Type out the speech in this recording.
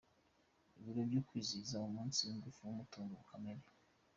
Ibirori byo kwizihiza umunsi w’ingufu n’umutungo kamere.